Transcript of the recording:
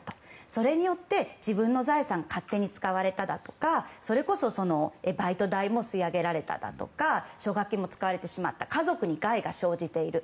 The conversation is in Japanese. それによって自分の財産を勝手に使われただとかそれこそバイト代も吸い上げられたとか奨学金も使われてしまった家族に害が生じている。